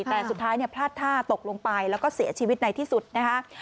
แต่สุดท้ายพลาดท่าตกลงไปแล้วก็เสียชีวิตในที่สุดนะคะ